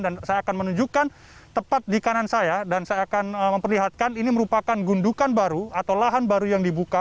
dan saya akan menunjukkan tepat di kanan saya dan saya akan memperlihatkan ini merupakan gundukan baru atau lahan baru yang dibuka